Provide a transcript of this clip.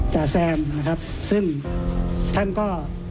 จ่าแซมนะครับซึ่งท่านก็